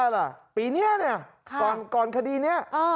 ๒๕๖๕ละปีนี้ก่อนคดีนี้